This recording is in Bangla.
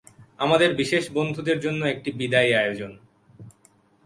আমাদের বিশেষ বন্ধুদের জন্য একটু বিদায়ী আয়োজন।